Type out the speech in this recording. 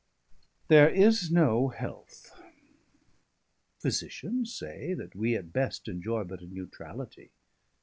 _] There is no health; Physitians say that wee, At best, enjoy but a neutralitie.